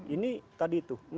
ini tadi itu